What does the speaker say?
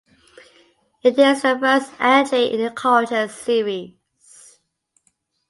It is the first entry in the "Cultures" series.